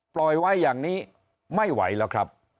ปล่อยไว้อย่างนี้ไม่ไหวแล้วครับ